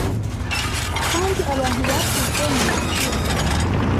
kandi abantu bashyizwe mu matsinda